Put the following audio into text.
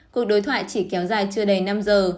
cuộc đối thoại chỉ kéo dài chưa đầy năm giờ